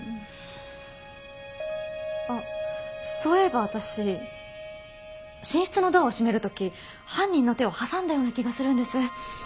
あっそういえば私寝室のドアを閉める時犯人の手を挟んだような気がするんです。